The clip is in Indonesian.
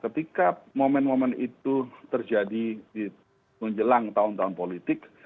ketika momen momen itu terjadi di menjelang tahun tahun politik